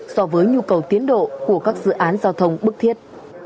so với nhu cầu tiến độ của các dự án giao thông bức thiết